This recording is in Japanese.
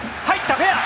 フェア！